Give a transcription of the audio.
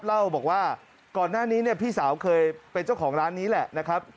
เล่าบอกว่าก่อนหน้านี้เนี่ยพี่สาวเคยเป็นเจ้าของร้านนี้แหละนะครับ